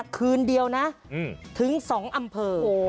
คืนเดียวนะถึง๒อำเภอ